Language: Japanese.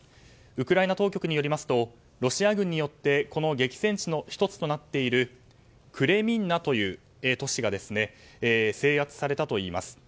ウクライナ当局によりますとロシア軍によって激戦地の１つとなっているクレミンナという都市が制圧されたといいます。